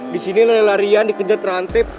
disini lari larian dikejar terantip